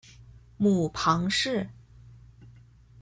母庞氏。